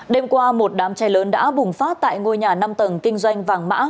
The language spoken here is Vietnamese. đêm qua một đám cháy lớn đã bùng phát tại ngôi nhà năm tầng kinh doanh vàng mã